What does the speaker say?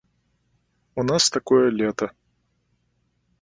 У нас такое лета.